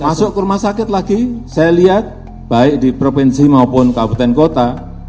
masuk ke rumah sakit lagi saya lihat baik di provinsi maupun kabupaten kota